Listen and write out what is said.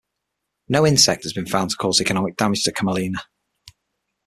No insect has be found to cause economic damage to camelina.